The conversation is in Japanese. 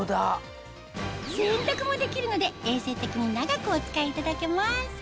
洗濯もできるので衛生的に長くお使いいただけます